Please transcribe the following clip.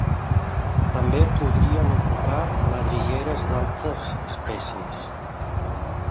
També podrien ocupar madrigueres d'altres espècies.